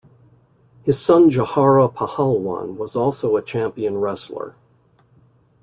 His son Jhara Pahalwan was also a champion wrestler.